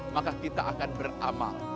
maka kita akan beramal